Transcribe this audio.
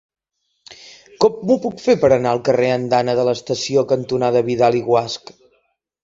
Com ho puc fer per anar al carrer Andana de l'Estació cantonada Vidal i Guasch?